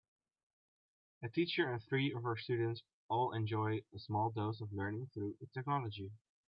A teacher and three of her students all enjoy a small dose of learning through technology.